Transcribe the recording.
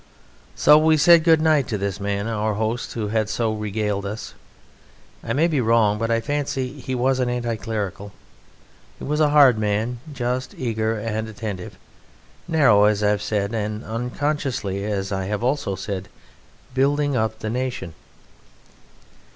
So we said good night to this man, our host, who had so regaled us. I may be wrong, but I fancy he was an anti clerical. He was a hard man, just, eager, and attentive, narrow, as I have said, and unconsciously (as I have also said) building up the nation.